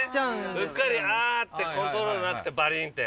うっかりあってコントロールなくてバリンって。